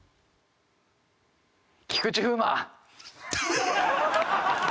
菊池風磨！